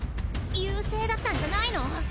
優勢だったんじゃないの？